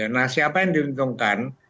nah siapa yang diuntungkan